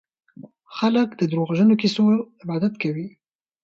خلک د دروغجنو کيسو عبادت کوي.